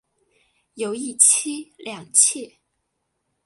有一妻两妾。